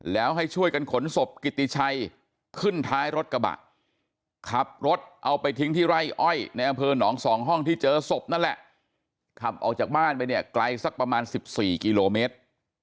แล้วให้ช่วยกันขนศพกิติชัยขึ้นท้ายรถกระบะขับรถเอาไปทิ้งที่ไร่อ้อยในอำเภอหนองสองห้องที่เจอศพนั่นแหละขับออกจากบ้านไปเนี่ยไกลสักประมาณ๑๔กิโลเมตร